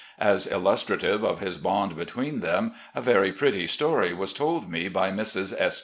As illustrative of this bond between them, a very pretty story was told me by Mrs. S.